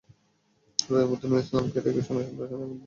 তাঁদের মধ্যে নূর ইসলামকে রায় ঘোষণার সময় আদালতে হাজির করা হয়েছিল।